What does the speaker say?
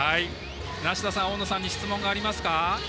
梨田さん、大野さんに質問ありますか？